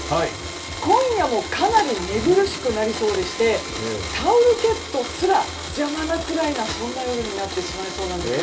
今夜も、かなり寝苦しくなりそうでしてタオルケットすら邪魔なくらいなそんな夜になりそうです。